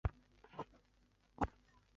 凹籽远志为远志科远志属下的一个种。